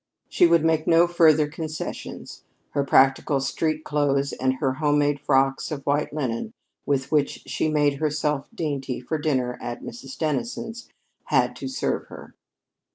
She would make no further concessions. Her practical street clothes and her home made frocks of white linen, with which she made herself dainty for dinner at Mrs. Dennison's, had to serve her.